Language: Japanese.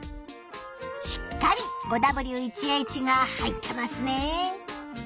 しっかり５Ｗ１Ｈが入ってますね。